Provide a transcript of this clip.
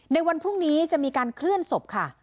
ในวันพรุ่งนี้จะมีการเคลื่อนศพค่ะ